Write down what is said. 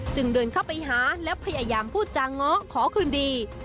จึงเดินเข้าไปหาและพยายามพูดจาง้อขอคืนดี